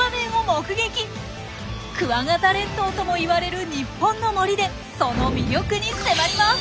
「クワガタ列島」とも言われる日本の森でその魅力に迫ります！